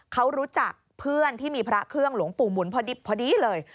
เขารู้จักเพื่อนที่มีพระเครื่องหลวงปู่หมุนพอดีเลย